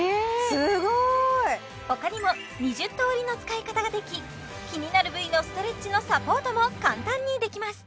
すごい！他にも２０通りの使い方ができ気になる部位のストレッチのサポートも簡単にできます